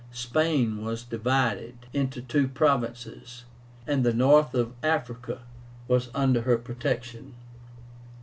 Spain was divided into two provinces, and the north of Africa was under her protection.